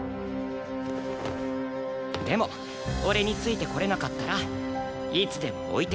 でも俺についてこれなかったらいつでも置いてくから。